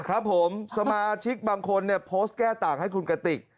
ครับผมสมาชิกบางคนเนี่ยโพสต์แก้ต่างให้คุณกระติก